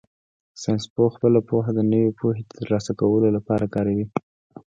ساینسپوه خپله پوهه د نوې پوهې د ترلاسه کولو لپاره کاروي.